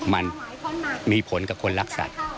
มันมีผลกับคนรักสัตว์